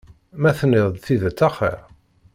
Ma tenniḍ-d tidet axiṛ.